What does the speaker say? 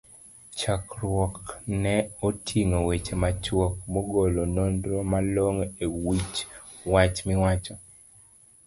chakruokne oting'o weche machuok, magolo nonro malongo e wich wach miwach